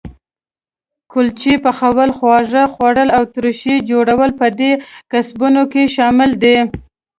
کلچې پخول، خواږه جوړول او ترشي جوړول په دې کسبونو کې شامل دي.